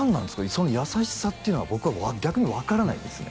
その優しさっていうのは僕は逆に分からないですね